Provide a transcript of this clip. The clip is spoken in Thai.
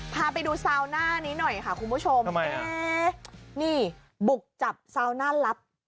พาไปดูซาวหน้านี้หน่อยค่ะคุณผู้ชมเอ๊นี่บุกจับซาวน่าลับ